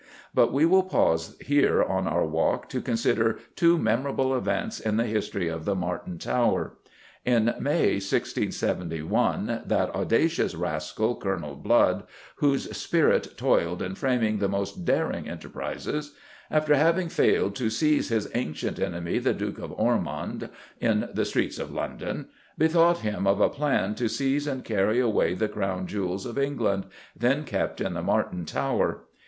But we will pause here on our walk to consider two memorable events in the history of the Martin Tower. In May, 1671, that audacious rascal, Colonel Blood, "whose spirit toiled in framing the most daring enterprises," after having failed to "seize his ancient enemy, the Duke of Ormond, in the streets of London," bethought him of a plan to seize and carry away the Crown Jewels of England, then kept in the Martin Tower.